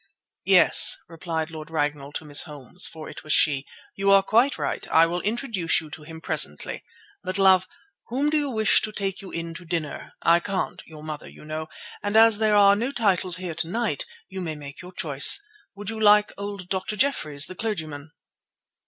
"Yes," replied Lord Ragnall to Miss Holmes—for it was she—"you are quite right. I will introduce you to him presently. But, love, whom do you wish to take you in to dinner? I can't—your mother, you know; and as there are no titles here to night, you may make your choice. Would you like old Dr. Jeffreys, the clergyman?"